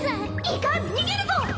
いかん逃げるぞ！